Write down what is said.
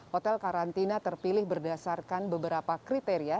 hotel karantina terpilih berdasarkan beberapa kriteria